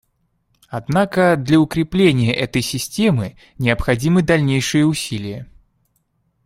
Однако для укрепления этой системы необходимы дальнейшие усилия.